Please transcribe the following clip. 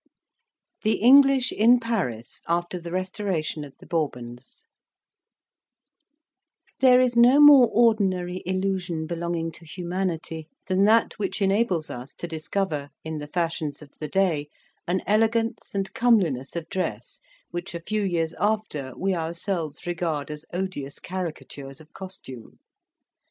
THE ENGLISH IN PARIS AFTER THE RESTORATION OF THE BOURBONS There is no more ordinary illusion belonging to humanity than that which enables us to discover, in the fashions of the day, an elegance and comeliness of dress which a few years after we ourselves regard as odious caricatures of costume.